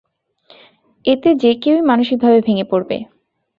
এতে যে কেউই মানসিকভাবে ভেঙে পড়বে।